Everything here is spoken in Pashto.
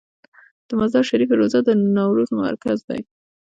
د مزار شریف روضه د نوروز مرکز دی